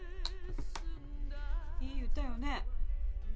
いい歌よね。